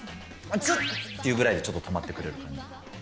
つっていうぐらいでちょっと止まってくれる。